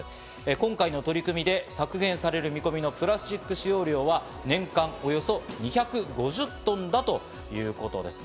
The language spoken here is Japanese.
今回の取り組みで削減される見込みのプラスチック使用料は年間およそ２５０トンだということです。